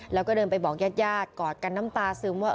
แล้วก็เดินไปบอกญาติญาติกอดกันน้ำตาซึมว่า